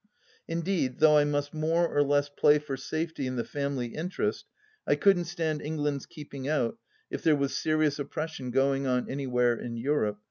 Indeed, though I must more or less play for safety in the Family Interest, I couldn't stand England's keeping out if there was serious oppression going on anywhere in Europe.